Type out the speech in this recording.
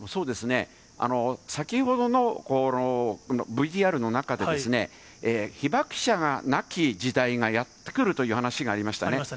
先ほどの、このＶＴＲの中で、被爆者がなき時代がやって来るという話がありましたね。